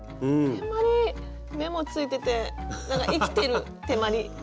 目もついててなんか生きてる手まり。